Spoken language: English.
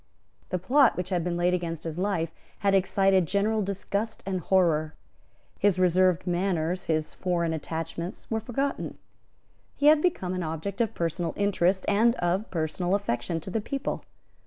The plot which had been laid against his life had excited general disgust and horror. His reserved manners, his foreign attachments were forgotten. He had become an object of personal interest and of personal affection to his people.